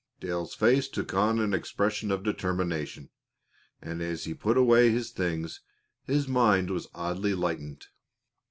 Dale's face took on an expression of determination, and as he put away his things his mind was oddly lightened.